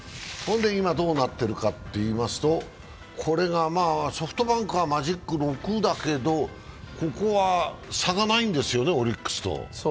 今、どうなってるかといいますと、ソフトバンクはマジック６だけどここは差がないんですよね、オリックスと。